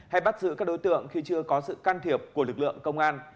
hay bắt giữ các đối tượng khi chưa có sự can thiệp của lực lượng công an